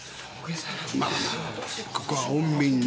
まっここは穏便に。